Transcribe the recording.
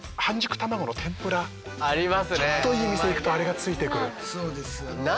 ちょっといい店行くとあれがついてくる。